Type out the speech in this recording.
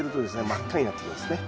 真っ赤になってきますね。